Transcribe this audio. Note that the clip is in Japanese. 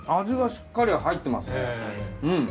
味がしっかり入ってますね。